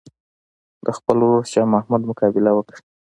د خپل ورور شاه محمود مقابله وکړي.